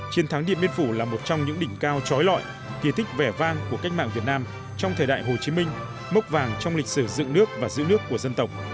chiến thắng điện biên phủ là một trong những đỉnh cao trói lọi kỳ thích vẻ vang của cách mạng việt nam trong thời đại hồ chí minh mốc vàng trong lịch sử dựng nước và giữ nước của dân tộc